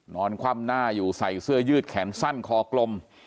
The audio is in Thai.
คว่ำหน้าอยู่ใส่เสื้อยืดแขนสั้นคอกลม